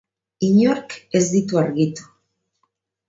Inork ez ditu argitu.